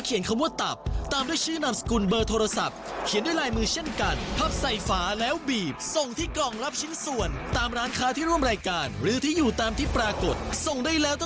เขียนบีบส่งถ้าอยากจะรู้รายละเอียดแล้วก็ไปดูกติกากันเลย